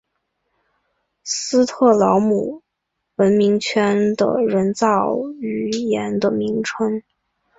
斯特劳姆文明圈的人造语言的名称。